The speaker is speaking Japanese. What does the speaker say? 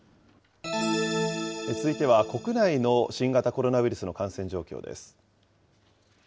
続いては国内の新型コロナウイルスの感染状況です。